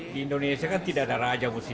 kala anies baswedan sebenarnya apa pak